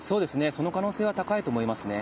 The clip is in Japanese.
その可能性は高いと思いますね。